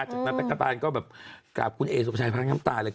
จากนั้นแปลกกระตานก็แบบกลับคุณเอศพชายพระง้ำตาเลย